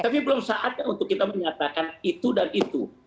tapi belum saatnya untuk kita menyatakan itu dan itu